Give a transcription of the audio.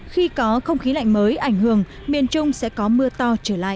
khi có không khí lạnh mới ảnh hưởng miền trung sẽ có mưa to trở lại